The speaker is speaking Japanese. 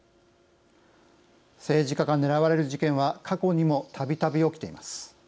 政治家が狙われる事件は過去にも、たびたび起きています。